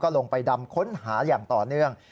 ลงไปดำค้นหาอย่างต่อเนื่อง